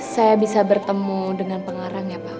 saya bisa bertemu dengan pengarang ya pak